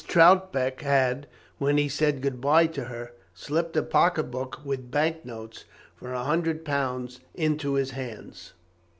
Troutbeck had, when he said good bye to her, slipped a pocket book with bank notes for a hundred pounds into his hands.